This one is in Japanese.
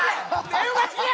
電話切れ